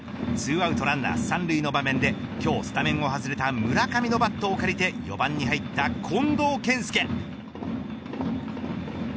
２アウトランナー３塁の場面で今日スタメンを外れた村上のバットを借りて４番に入った近藤健介。